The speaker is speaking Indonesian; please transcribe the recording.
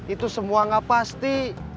itu semua gak pasti